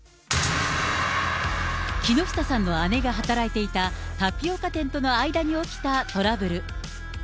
木下さんの姉が働いていたタピオカ店との間に起きたトラブル。